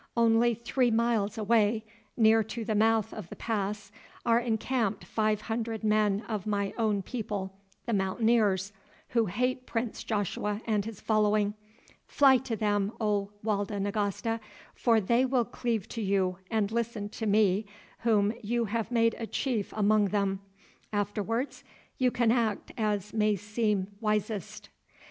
Only three miles away, near to the mouth of the pass, are encamped five hundred men of my own people, the Mountaineers, who hate Prince Joshua and his following. Fly to them, O Walda Nagasta, for they will cleave to you and listen to me whom you have made a chief among them. Afterwards you can act as may seem wisest."